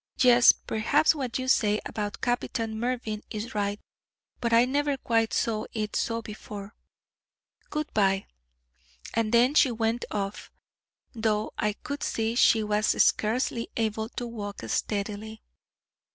Yes, perhaps what you say about Captain Mervyn is right, but I never quite saw it so before. Good bye,' and then she went off, though I could see she was scarcely able to walk steadily.